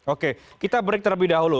oke kita break terlebih dahulu